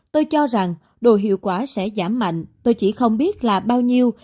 tôi cho rằng đồ hiệu quả sẽ giảm mạnh tôi chỉ không biết là bao nhiêu